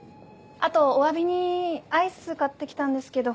あとお詫びにアイス買って来たんですけど。